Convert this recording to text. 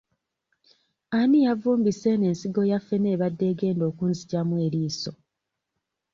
Ani yavumbise eno ensigo ya ffene ebadde egenda okunzigyamu eriiso?